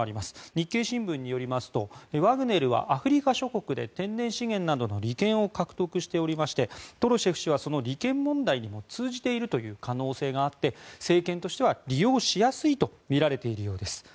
日経新聞によりますとワグネルはアフリカ諸国で天然資源などの利権を獲得しておりましてトロシェフ氏はその利権問題にも通じているという可能性があって、政権としては利用しやすいとみられているようです。